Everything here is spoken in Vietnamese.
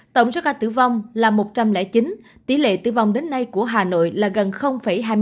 tổng số ca tử vong là một trăm linh chín tỷ lệ tử vong đến nay của hà nội là gần hai mươi năm